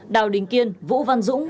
đào đình kiên vũ văn dũng